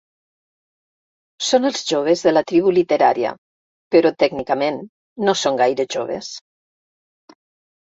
Són els joves de la tribu literària, però tècnicament no són gaire joves.